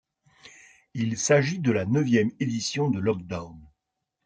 Il s'agit de la neuvième édition de Lockdown.